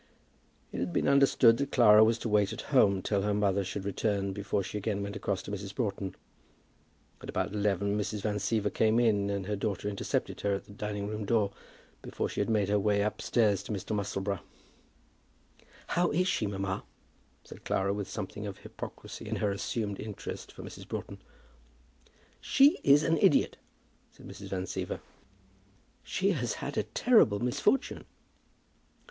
It had been understood that Clara was to wait at home till her mother should return before she again went across to Mrs. Broughton. At about eleven Mrs. Van Siever came in, and her daughter intercepted her at the dining room door before she had made her way upstairs to Mr. Musselboro. "How is she, mamma?" said Clara with something of hypocrisy in her assumed interest for Mrs. Broughton. "She is an idiot," said Mrs. Van Siever. "She has had a terrible misfortune!"